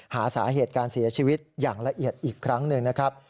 หาสาเหตุการเสียชีวิตอย่างละเอียดอีกครั้งหนึ่งนะครับ